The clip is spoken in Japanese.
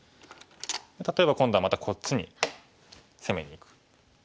例えば今度はまたこっちに攻めにいく。